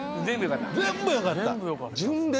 全部よかった！